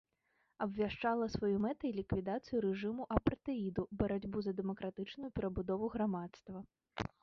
Абвяшчала сваёй мэтай ліквідацыю рэжыму апартэіду, барацьбу за дэмакратычную перабудову грамадства.